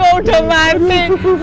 aku udah mati